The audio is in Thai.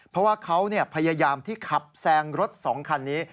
เพราะว่าเขาพยายามที่ขับแซงรถ๒คันนี้